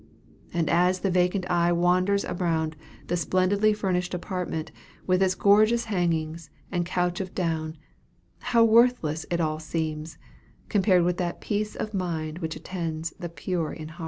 And as the vacant eye wanders around the splendidly furnished apartment, with its gorgeous hangings and couch of down, how worthless it all seems, compared with that peace of mind which attends "the pure in heart!"